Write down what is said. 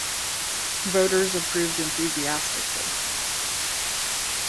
Voters approved enthusiastically.